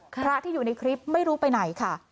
พระที่อยู่ในคลิปไม่รู้ไปไหนค่ะ